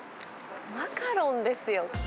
マカロンですよ。